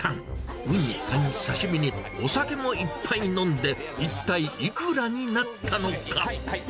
ウニ、カニ、刺身に、お酒もいっぱい飲んで、一体いくらになったのか。